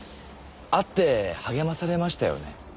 会って励まされましたよね？